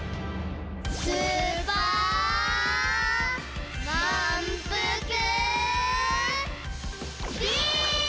スーパーまんぷくビーム！